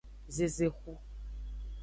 Zezexu.